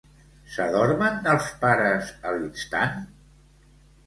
S'adormen els pares a l'instant?